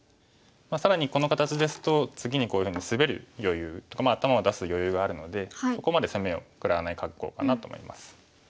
更にこの形ですと次にこういうふうにスベる余裕とか頭を出す余裕があるのでそこまで攻めを食らわない格好かなと思います。